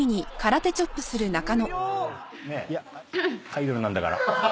⁉アイドルなんだから。